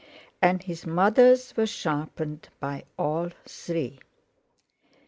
And his mother's were sharpened by all three.